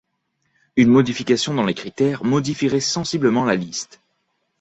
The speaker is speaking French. Une modification dans les critères modifierait sensiblement la liste.